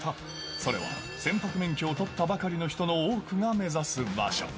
それは船舶免許を取ったばかりの人の多くが目指す場所。